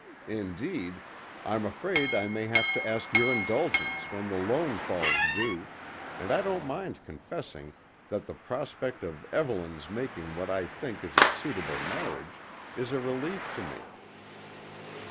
Indeed, I'm afraid I may have to ask your indulgence when the loan falls due, and I don't mind confessing that the prospect of Evelyn's making what I think is a suitable marriage is a relief to me."